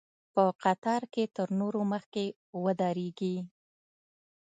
په قطار کې تر نورو مخکې ودرېږي.